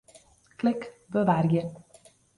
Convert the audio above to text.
Klik Bewarje.